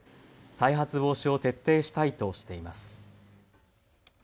再発防止を徹底したいとしています。